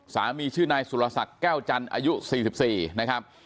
สามีชื่อนายสุรศักดิ์แก้วจันทร์อายุ๔๔นะครับ